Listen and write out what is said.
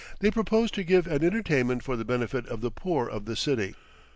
they proposed to give, an entertainment for the benefit of the poor of the city.